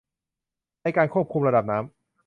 ในการควบคุมระดับน้ำ